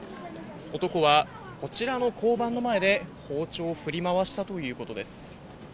男はこちらの交番の前で包丁を振り回したということです。